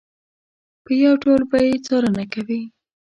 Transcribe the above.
په یو ډول به یې څارنه کوي.